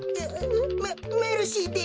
メメルシーです。